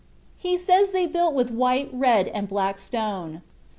He says they built with white, red, and black stone.